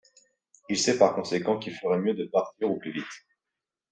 Il sait par conséquent qu'il ferait mieux de partir au plus vite.